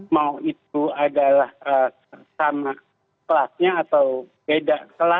mau itu adalah sama kelasnya atau beda kelas